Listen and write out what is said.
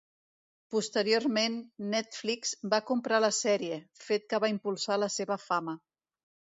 Posteriorment, Netflix, va comprar la sèrie, fet que va impulsar la seva fama.